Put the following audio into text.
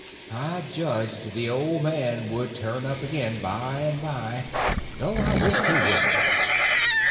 I judged the old man would turn up again by and by, though I wished he wouldn't.